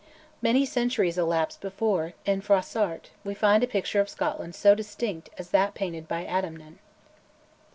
Many centuries elapse before, in Froissart, we find a picture of Scotland so distinct as that painted by Adamnan.